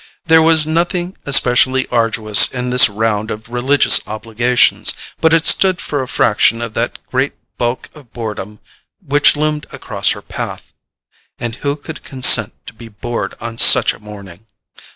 There was nothing especially arduous in this round of religious obligations; but it stood for a fraction of that great bulk of boredom which loomed across her path. And who could consent to be bored on such a morning?